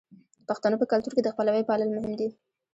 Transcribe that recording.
د پښتنو په کلتور کې د خپلوۍ پالل مهم دي.